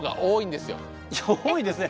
いや多いですね。